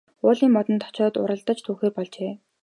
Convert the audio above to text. Уулын модонд очоод уралдаж түүхээр болжээ.